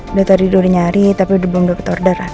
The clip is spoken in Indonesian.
udah tadi udah nyari tapi belum dapat order